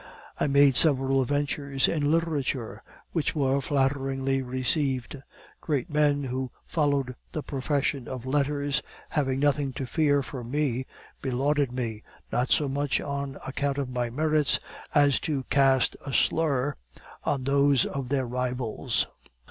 "I made several ventures in literature, which were flatteringly received. Great men who followed the profession of letters, having nothing to fear from me, belauded me, not so much on account of my merits as to cast a slur on those of their rivals.